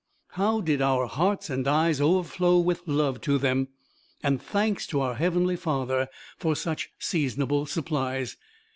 How did our hearts and eyes overflow with love to them and thanks to our Heavenly Father for such seasonable supplies.